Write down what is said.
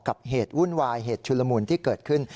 เหตุวุ่นวายเหตุชุลมุนที่เกิดขึ้น